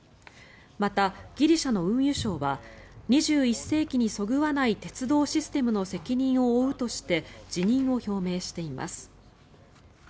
また、ギリシャの運輸相は２１世紀にそぐわない鉄道システムの責任を負うとして辞任を表明しています。